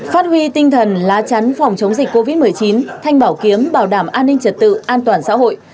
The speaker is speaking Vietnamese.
phát huy tinh thần lá chắn phòng chống dịch covid một mươi chín thanh bảo kiếm bảo đảm an ninh trật tự an toàn xã hội